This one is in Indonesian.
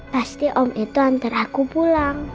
pasti om itu antar aku pulang